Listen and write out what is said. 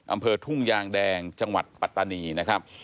อำเภอทุ่งยางแดงจังหวัดปัตตานีนะครับ